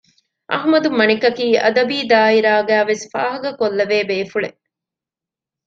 އަޙްމަދު މަނިކަކީ އަދަބީ ދާއިރާގައި ވެސް ފާހަގަ ކޮށްލެވޭ ބޭފުޅެއް